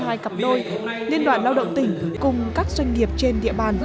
sáu bản việc cho hai mươi hai cặp đôi liên đoàn lao động tỉnh cùng các doanh nghiệp trên địa bàn